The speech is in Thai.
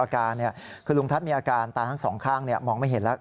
อาการคือลุงทัศน์มีอาการตาทั้งสองข้างมองไม่เห็นแล้ว